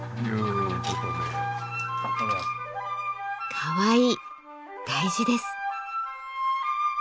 「かわいい」大事です。